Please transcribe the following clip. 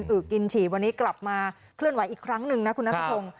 อึกกินฉี่วันนี้กลับมาเคลื่อนไหวอีกครั้งหนึ่งนะคุณนัทพงศ์